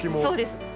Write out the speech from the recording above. そうです。